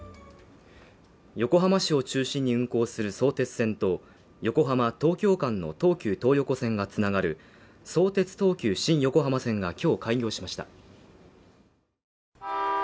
横浜市を中心に運行する相鉄線と横浜‐東京間の東急東横線が繋がる相鉄東急新横浜線が今日開業しました。